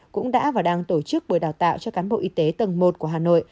cũng đã và đang tổ chức buổi đào tạo cho cán bộ y tế tầng một của hà nội